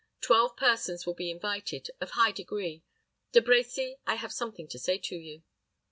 Twelve persons will be invited, of high degree. De Brecy, I have something to say to you."